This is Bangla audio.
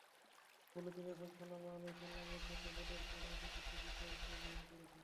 ফলে তিনি রাসূলুল্লাহ সাল্লাল্লাহু আলাইহি ওয়াসাল্লামের সাথে বদর ছাড়া প্রত্যেকটি যুদ্ধে অংশ গ্রহণ করেছেন।